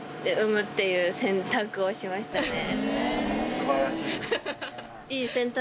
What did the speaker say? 素晴らしい。